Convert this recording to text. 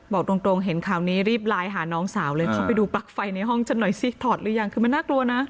บอกตรงเห็นข่าวนี้รีบไลน์หาน้องสาวเลยเข้าไปดูปลั๊กไฟในห้องฉันหน่อยซิกถอดหรือยังคือมันน่ากลัวนะ